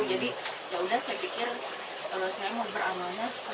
jadi yaudah saya pikir kalau saya mau beramalnya